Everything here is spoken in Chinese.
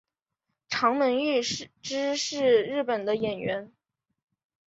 长门裕之是日本的演员。